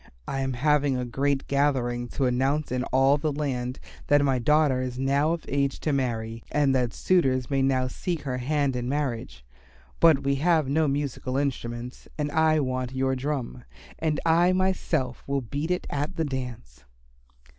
I am having a great gathering to announce to all the land that my daughter is now of age to marry and that suitors may now seek her hand in marriage. But we have no musical instruments and I want your drum, and I myself will beat it at the dance."